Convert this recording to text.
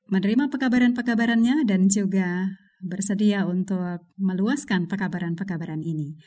menerima pekabaran pekabarannya dan juga bersedia untuk meluaskan pekabaran pekabaran ini